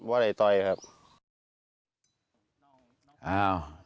บ่อครับบ่อยต้อยครับ